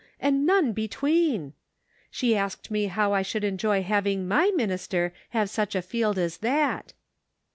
and none between ! She asked me how 1 should enjoy having my minister have such a field as that